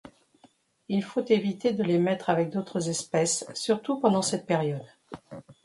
Il faut éviter de les mettre avec d'autres espèces, surtout pendant cette période.